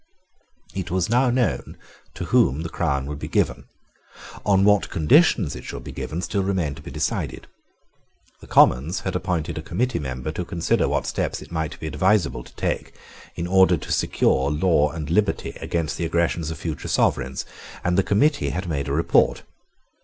It was now known to whom the crown would be given. On what conditions it should be given, still remained to be decided. The Commons had appointed a committee to consider what steps it might be advisable to take, in order to secure law and liberty against the aggressions of future sovereigns; and the committee had made a report.